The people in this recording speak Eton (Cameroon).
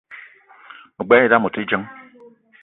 Me gbelé idam ote djeng